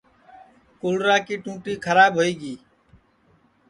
کولرا کی ٹونٚٹی کھراب ہوئی گی